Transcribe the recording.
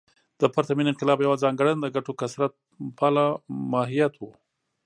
د پرتمین انقلاب یوه ځانګړنه د ګټو کثرت پاله ماهیت و.